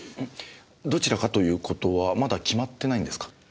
どちらかということはまだ決まってないんですか？